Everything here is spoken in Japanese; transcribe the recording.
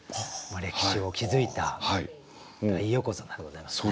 歴史を築いた大横綱でございますね。